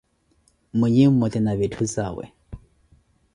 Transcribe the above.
Mwinyi mmote na vitthu zawe.